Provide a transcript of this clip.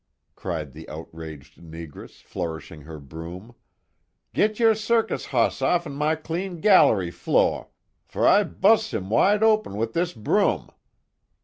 cried the outraged negress flourishing her broom, "Git yo' circus hoss offen my clean gallery flo', fo' I bus' him wide open wif dis, broom!